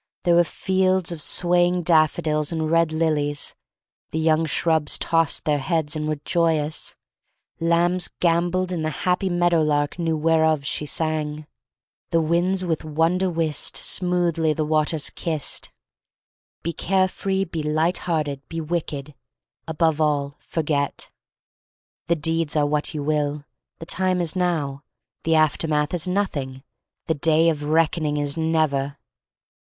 There were fields of swaying daffodils and red lilies. The young shrubs tossed their heads and were joyous. Lambs gamboled and the happy meadow lark knew whereof she sang. THE STORY OF MARY liiAC LANE 23 1 '*The winds with wonder whist Smoothly the waters kissed." Be carefree, be light hearted, be wicked — above all, forget. The deeds are what you will; the time is now; the aftermath is nothing; the day of reck oning is never.